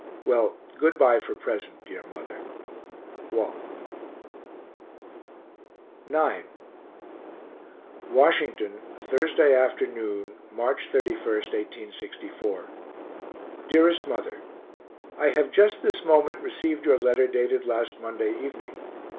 Well, good bye for present, dear mother. WALT. IX Washington, Thursday afternoon, March 31, 1864. DEAREST MOTHER I have just this moment received your letter dated last Monday evening.